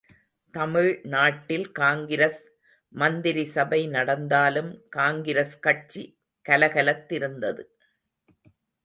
தமிழ் நாட்டில் காங்கிரஸ் மந்திரிசபை நடந்தாலும் காங்கிரஸ் கட்சி கலகலத்திருந்தது.